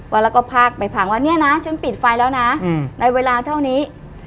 แล้วก็พากไปพังว่าเนี่ยนะฉันปิดไฟแล้วนะในเวลาเท่านี้